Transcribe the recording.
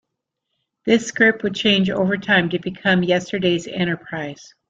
This script would change over time to become "Yesterday's Enterprise".